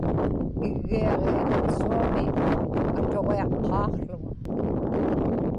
iggiaġiiliqsuami atuġiaqqaaqłuŋa